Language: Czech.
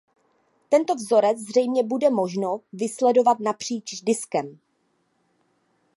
Tento vzorec zřejmě bude možno vysledovat napříč diskem.